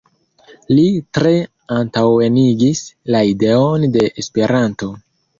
Li tre antaŭenigis la ideon de Esperanto.